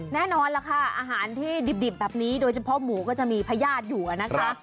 แน่นอนล่ะค่ะอาหารที่ดิบแบบนี้โดยเฉพาะหมูก็จะมีพญาติอยู่นะคะ